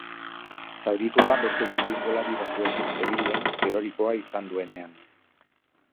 Zauritua beste txirrindulari batzuekin zebilen erorikoa izan duenean.